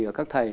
ở các thầy